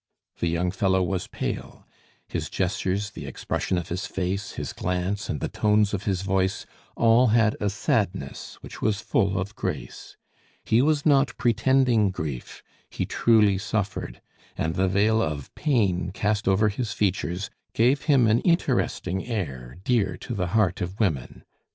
The young fellow was pale; his gestures, the expression of his face, his glance, and the tones of his voice, all had a sadness which was full of grace. He was not pretending grief, he truly suffered; and the veil of pain cast over his features gave him an interesting air dear to the heart of women.